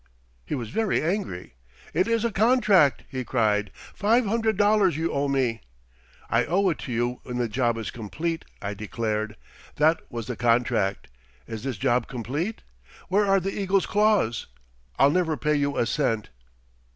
"He was very angry. 'It is a contract!' he cried. 'Five hundred dollars you owe me!' "'I owe it to you when the job is complete,' I declared. 'That was the contract. Is this job complete? Where are the eagle's claws? I'll never pay you a cent!'